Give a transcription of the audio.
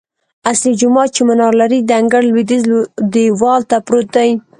اصلي جومات چې منار لري، د انګړ لویدیځ دیوال ته پروت دی.